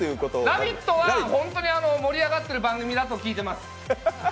「ラヴィット！」は本当に盛り上がってる番組だと聞いています。